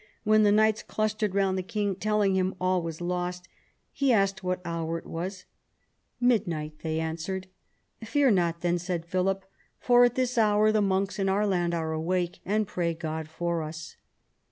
When the knights clustered round the king telling him all was lost, he asked what hour it was. " Midnight," they answered. 52 PHILIP AUGUSTUS chap, ii "Fear not then," said Philip, "for at this hour the monks in our land are awake, and pray God for us."